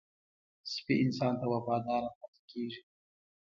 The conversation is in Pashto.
سپي انسان ته وفاداره پاتې کېږي.